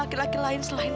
aku merasa senang